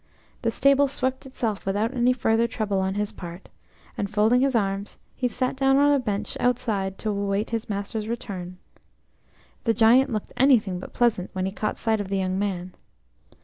The stable swept itself without any further trouble on his part, and, folding his arms, he sat down on a bench outside to await his master's return. The Giant looked anything but pleasant when he caught sight of the young man.